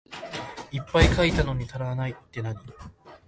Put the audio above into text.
いっぱい書いたのに足らないってなに？